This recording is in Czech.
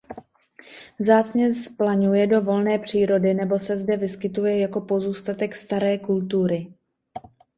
Vzácně zplaňuje do volné přírody nebo se zde vyskytuje jako pozůstatek staré kultury.